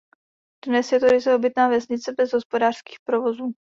Dnes je to ryze obytná vesnice bez hospodářských provozů.